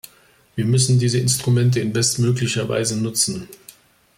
Wir müssen diese Instrumente in bestmöglicher Weise nutzen.